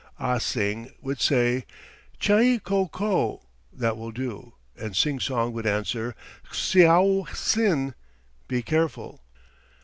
Ah Sing would say, "Cheih ko koe" (that will do), and Sing Song would answer, "Hsiao hsin" (be careful).